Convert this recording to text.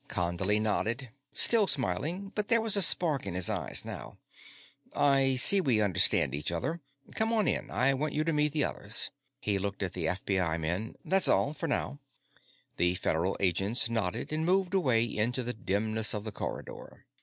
Condley nodded, still smiling but there was a spark in his eyes now. "I see we understand each other. Come on in; I want you to meet the others." He looked at the FBI men. "That's all. For now." The Federal agents nodded and moved away into the dimness of the corridor.